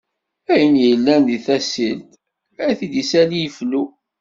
Ayen illan di tasilt, ad t-id issali iflu.